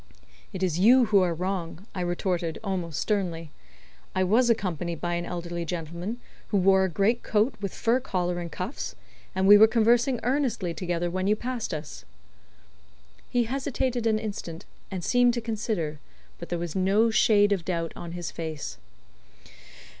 "It is you who are wrong," I retorted, almost sternly. "I was accompanied by an elderly gentleman, who wore a great coat with fur collar and cuffs, and we were conversing earnestly together when you passed us." He hesitated an instant, and seemed to consider, but there was no shade of doubt on his face.